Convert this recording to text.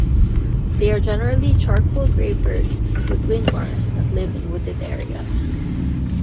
They are generally charcoal-grey birds with wing bars that live in wooded areas.